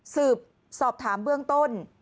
สืบสอบถามเบื้องต้น